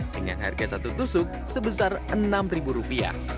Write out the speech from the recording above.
dengan harga satu tusuk sebesar rp enam